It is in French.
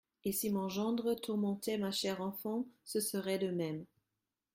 Et si mon gendre tourmentait ma chère enfant, ce serait de même.